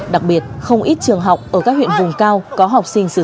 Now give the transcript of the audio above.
đặc biệt không ít trường học ở các huyện vùng cao có học sinh sử dụng ma túy cỏ